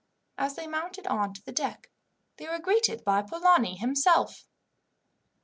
As they mounted on to the deck they were greeted by Polani himself.